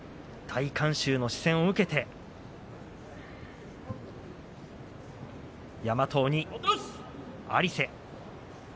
大観衆の視線を受けて山藤に有瀬。